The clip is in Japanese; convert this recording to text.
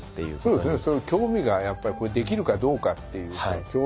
そうですね。